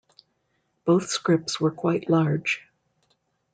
Both scripts were quite large.